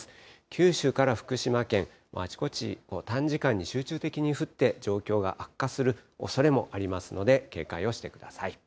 九州から福島県、あちこち短時間に集中的に降って、状況が悪化するおそれもありますので、警戒をしてください。